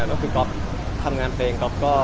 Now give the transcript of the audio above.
ก็คือกรอบทำงานเพลง